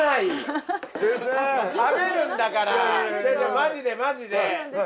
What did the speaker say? ・マジでマジで！